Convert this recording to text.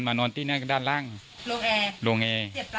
ใครเป็นคนโทรแจ้งคะ